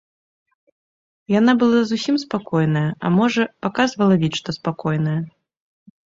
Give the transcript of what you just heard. Яна была зусім спакойная, а можа, паказвала від, што спакойная.